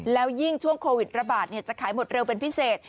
แล้วยิ่งช่วงโควิดระบาดจะขายหมดเร็วเป็นพิเศษ